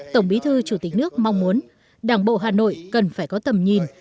tổng bí thư chủ tịch nước mong muốn đảng bộ hà nội cần phải có tầm nhìn